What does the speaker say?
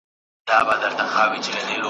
په ارمان د پسرلي یو له خزانه تر خزانه !.